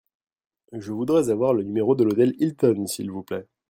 Je voudrais avoir le numéro de l'hôtel Hilton, s'il vous plait.